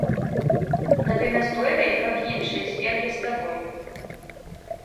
Тады настойвай, каб іншыя збеглі з табой.